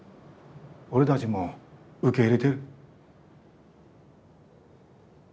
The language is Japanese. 俺だぢも受け入れてる。